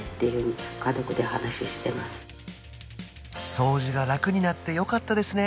掃除が楽になってよかったですね